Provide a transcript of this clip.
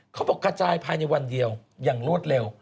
กระจายภายในวันเดียวอย่างรวดเร็ว